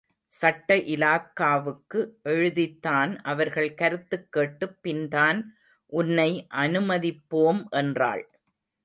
சட்ட இலாக்காவுக்கு எழுதித்தான் அவர்கள் கருத்துக் கேட்டுப் பின்தான் உன்னை அனுமதிப்போம் என்றாள்.